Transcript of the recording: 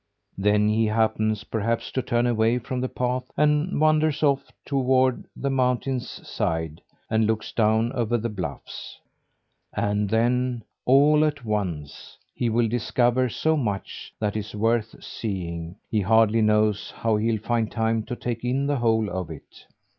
Then he happens, perhaps, to turn away from the path, and wanders off toward the mountain's sides and looks down over the bluffs; and then, all at once, he will discover so much that is worth seeing, he hardly knows how he'll find time to take in the whole of it.